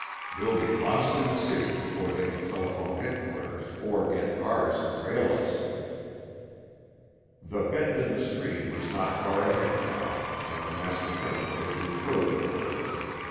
We'll be lost in the city before they can telephone headquarters or get cars and trail us!" The bend in the stream was not far ahead now, and the master criminal issued further orders.